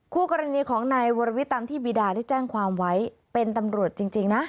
คู่กรณีของนายวรวิทย์ตามที่บีดาได้แจ้งความไว้เป็นตำรวจจริงนะ